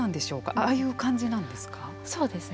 ああいう感じなんですか。